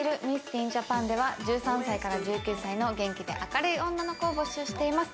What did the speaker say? ・ティーン・ジャパンでは１３歳から１９歳の元気で明るい女の子を募集しています。